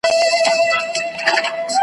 پوهه انسان روښانوي.